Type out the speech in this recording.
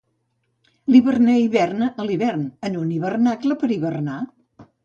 L'hiverner hiverna, a l'hivern, en un hivernacle per hivernar.